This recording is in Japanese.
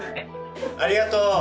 ありがとう。